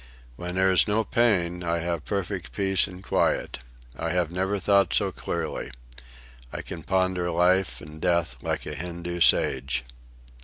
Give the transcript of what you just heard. "When there is no pain I have perfect peace and quiet. I have never thought so clearly. I can ponder life and death like a Hindoo sage."